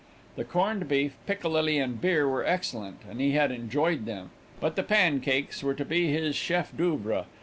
The corned beef, piccalilli and beer were excellent and he had enjoyed them; but the pancakes were to be his chef d'oeuvre.